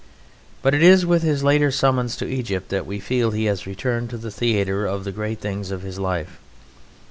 But it is with his later summons to Egypt that we feel he has returned to the theatre of the great things of his life.